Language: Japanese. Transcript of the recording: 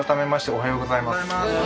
おはようございます。